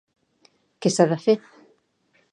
Què s'ha de fer?